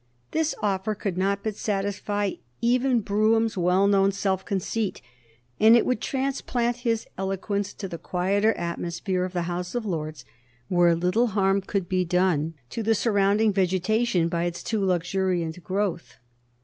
This offer could not but satisfy even Brougham's well known self conceit, and it would transplant his eloquence to the quieter atmosphere of the House of Lords, where little harm could be done to the surrounding vegetation by its too luxuriant growth.